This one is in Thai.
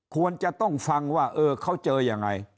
ควรจะต้องฟังว่าเออเขาเจอยังไง